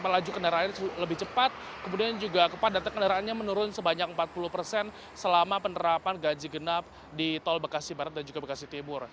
melaju kendaraan lebih cepat kemudian juga kepadatan kendaraannya menurun sebanyak empat puluh persen selama penerapan ganji genap di tol bekasi barat dan juga bekasi timur